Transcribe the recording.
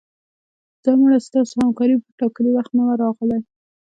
ځه مړه ستاسو همکار په ټاکلي وخت نه و راغلی